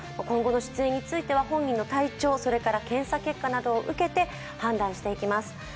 今後の出演については本人の体調、検査結果などを受けて判断していきます。